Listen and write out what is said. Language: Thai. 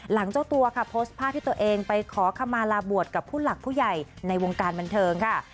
เจ้าตัวค่ะโพสต์ภาพที่ตัวเองไปขอคำมาลาบวชกับผู้หลักผู้ใหญ่ในวงการบันเทิงค่ะ